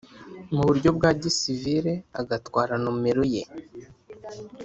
muburyo bwa gisevile agatwara numero ye